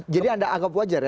jadi anda anggap wajar ya